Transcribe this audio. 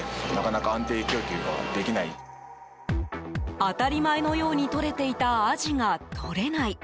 当たり前のようにとれていたアジがとれない。